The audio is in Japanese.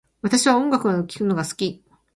私は音楽を聴くのが好き